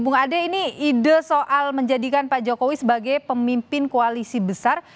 bung ade ini ide soal menjadikan pak jokowi sebagai pemimpin koalisi besar